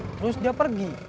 terus dia pergi